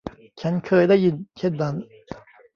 ฉันเคยได้ยินเช่นนั้น